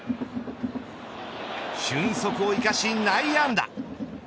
俊足を生かし内野安打。